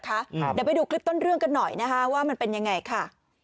เดี๋ยวไปดูคลิปต้นเรื่องกันหน่อยนะคะว่ามันเป็นยังไงค่ะ